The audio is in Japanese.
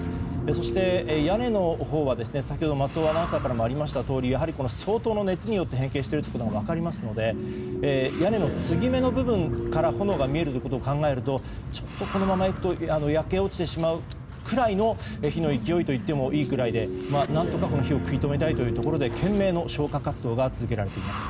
そして屋根のほうは先ほど松尾アナウンサーからもありましたとおりやはり相当の熱によって変形していることが分かりますので屋根の継ぎ目から炎が見えることを考えるとちょっと、このままいくと焼け落ちてしまうくらいの火の勢いといってもいいくらいで何とか火を食い止めたいというところで懸命の消火活動が続けられています。